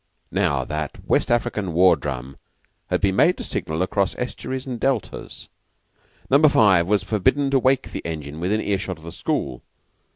Now that West African war drum had been made to signal across estuaries and deltas. Number Five was forbidden to wake the engine within earshot of the school.